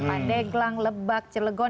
pandai gelang lebak cilegon